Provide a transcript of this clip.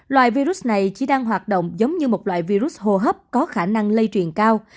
loại virus này chỉ đang hoạt động giống như một loại virus hô hấp có khả năng lây truyền cao